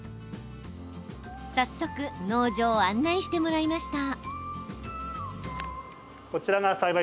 早速農場を案内してもらいました。